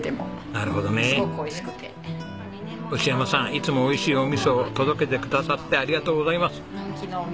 いつもおいしいおみそを届けててくださってありがとうございます。